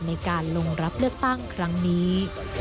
ในการลงรับเลือกตั้งครั้งนี้